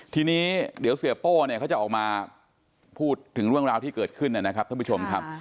ทีนี้เดี๋ยวเสียโป้เนี่ยเขาจะออกมาพูดถึงเรื่องราวที่เกิดขึ้นนะครับท่านผู้ชมครับ